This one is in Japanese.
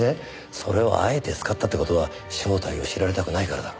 それをあえて使ったって事は正体を知られたくないからだろ。